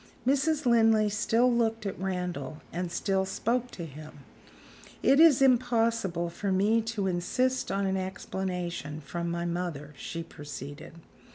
Mrs. Linley still looked at Randal, and still spoke to him. "It is impossible for me to insist on an explanation from my mother," she proceeded.